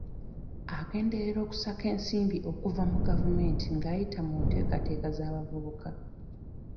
Agenderera okusaka ensimbi okuva mu gavumenti ng'ayita mu nteekateeka z'abavubuka.